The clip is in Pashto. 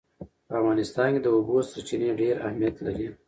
په افغانستان کې د اوبو سرچینې ډېر اهمیت لري.